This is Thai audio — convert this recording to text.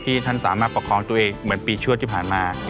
ท่านสามารถประคองตัวเองเหมือนปีชั่วที่ผ่านมา